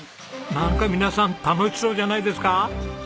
なんか皆さん楽しそうじゃないですか？